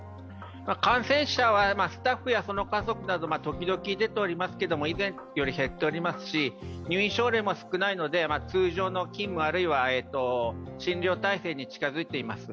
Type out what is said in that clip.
感染者はスタッフやその家族など、時々出ていますけど以前より減っておりますし入院症例も少ないので通常の勤務、あるいは診療体制に近づいています。